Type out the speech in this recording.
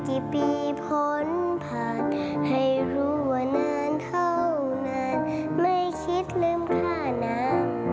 กี่ปีผลผ่านให้รู้ว่านานเท่านานไม่คิดลืมค่าน้ำ